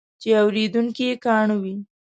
چې اورېدونکي یې کاڼه وي.